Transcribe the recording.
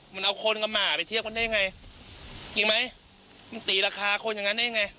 มันเอาคนกับหมาไปเทียบกันได้ยังไงจริงไหมมึงตีราคาคนอย่างนั้นได้ยังไง